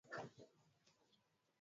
Simba wa yuda.